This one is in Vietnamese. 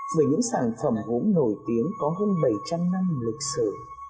về những sản phẩm cũng nổi tiếng có hơn bảy trăm linh năm lịch sử